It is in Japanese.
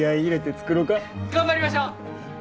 頑張りましょう！